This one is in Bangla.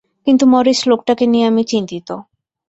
কিন্তু মরিস লোকটাকে নিয়ে আমি চিন্তিত।